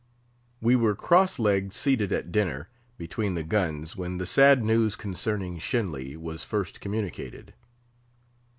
We were cross legged seated at dinner, between the guns, when the sad news concerning Shenly was first communicated.